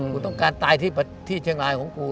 กูต้องการตายที่เชียงรายของกู